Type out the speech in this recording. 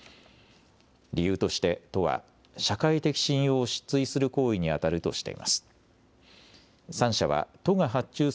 理由として、都は、社会的信用を失墜する行為に当たるとしています。